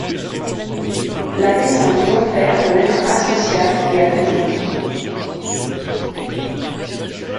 La descente aux enfers d'un être asocial et alcoolique.